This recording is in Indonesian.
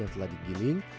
yang telah digiling